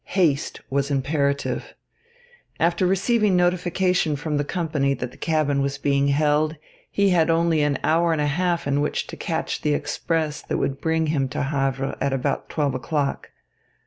Haste was imperative. After receiving notification from the company that the cabin was being held, he had only an hour and a half in which to catch the express that would bring him to Havre at about twelve o'clock.